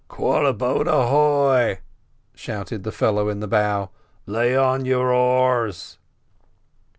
"Quarter boat ahoy!" shouted the fellow in the bow. "Lay on your oars."